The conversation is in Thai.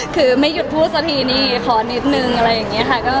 คือไม่หยุดพูดสักทีนี่ขอนิดนึงอะไรอย่างนี้ค่ะ